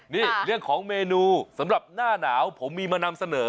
นี่เรื่องของเมนูสำหรับหน้าหนาวผมมีมานำเสนอ